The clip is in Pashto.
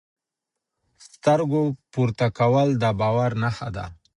سترګو پورته کول د باور نښه ده.